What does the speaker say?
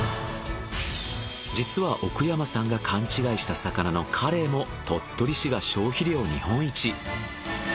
実は奥山さんが勘違いした魚のカレイも鳥取市が消費量日本一。